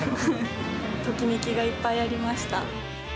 ときめきがいっぱいありました。